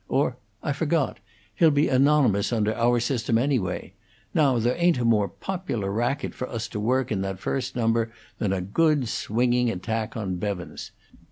Or I forgot! He'll be anonymous under our system, anyway. Now there ain't a more popular racket for us to work in that first number than a good, swinging attack on Bevans.